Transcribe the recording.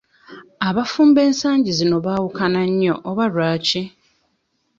Abafumbo ensangi zino baawukana nnyo oba lwaki?